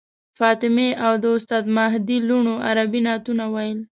فاطمې او د استاد مهدي لوڼو عربي نعتونه ویل.